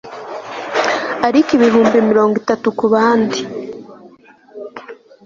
Ariko ibihumbi mirongo itatu kubandi